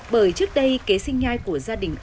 bởi trước đây kế sinh nhai của gia đình ông